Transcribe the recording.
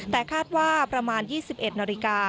แต่คาดว่าประมาณ๒๑นาฬิกา